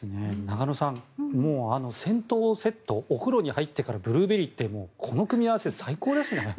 中野さん、もう銭湯セットお風呂に入ってからブルーベリーってこの組み合わせ最高ですね。